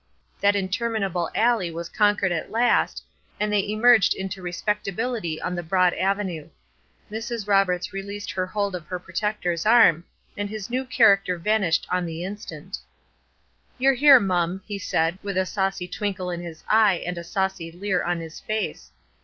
That interminable alley was conquered at last, and they emerged into respectability on the broad avenue. Mrs. Roberts released her hold of her protector's arm, and his new character vanished on the instant. "You're here, mum," he said, with a saucy twinkle in his eye and a saucy leer on his face.